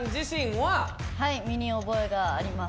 はい身に覚えがあります。